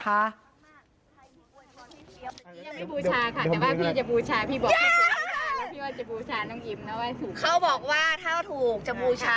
พี่ยังไม่บูชาค่ะแต่ว่าพี่จะบูชา